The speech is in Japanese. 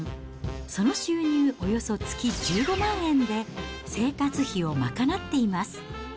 その収入およそ月１５万円で、生活費を賄っています。